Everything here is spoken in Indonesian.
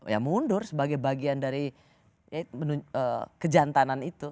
ya mundur sebagai bagian dari kejantanan itu